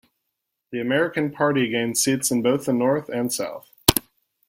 The American Party gained seats in both the North and South.